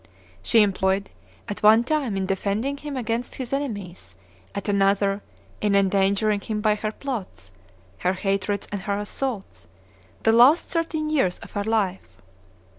She employed, at one time in defending him against his enemies, at another in endangering him by her plots, her hatreds and her assaults, the last thirteen years of her life.